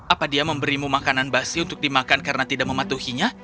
apa dia memberimu makanan basi untuk dimakan karena tidak mematuhinya